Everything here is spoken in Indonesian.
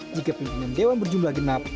jika pimpinan dewan berjumlah genap